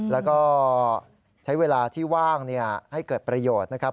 แล้วก็ใช้เวลาที่ว่างให้เกิดประโยชน์นะครับ